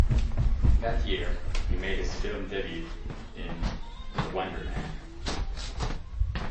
That year he made his film debut in "The Wonder Man".